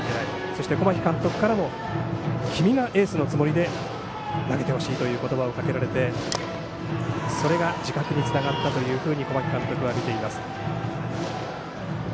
そして小牧監督からも君がエースのつもりで投げてほしいという言葉をかけられてそれが自覚につながったというふうに小牧監督は見ています。